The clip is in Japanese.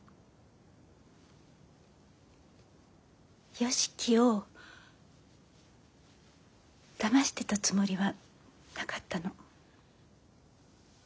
良樹をだましてたつもりはなかったの。